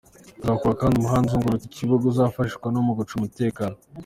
Hazubakwa kandi umuhanda uzengurutse ikibuga uzifashishwa no mu gucunga umutekano.